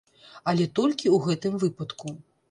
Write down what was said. Але толькі ў гэтым выпадку.